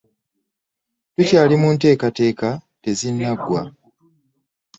Tukyali mu nteekateeka tezinnaggwa.